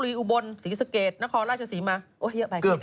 ขอบคุณครับ